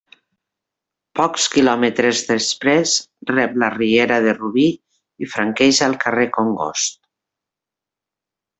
Pocs quilòmetres després rep la riera de Rubí i franqueja el darrer congost.